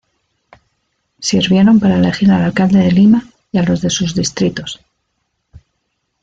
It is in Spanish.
Sirvieron para elegir al alcalde de Lima y a los de sus distritos.